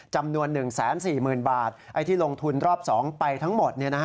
จำนวน๑๔๐๐๐บาทที่ลงทุนรอบ๒ไปทั้งหมด